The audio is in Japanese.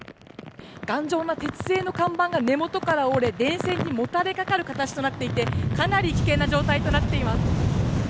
頑丈な鉄製の看板が根元から折れ、電線にもたれかかる形となっていてかなり危険な状態となっています。